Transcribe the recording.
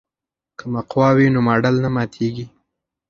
که مقوا وي نو ماډل نه ماتیږي.